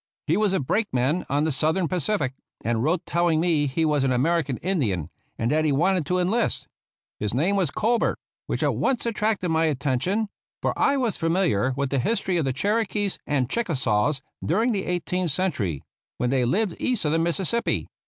He was a brakeman on the Southern Pacific, and wrote telling me he was an American Indian, and that he wanted to enlist. His name was Colbert, THE ROUGH RIDERS which at once attracted my attention ; for 1 wah familiar with the history of the Cherokees and Chickasaws during the eighteenth century, when they lived east of the Mississippi.